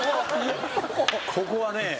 ここはね